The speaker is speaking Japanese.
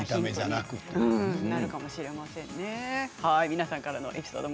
皆さんからのエピソード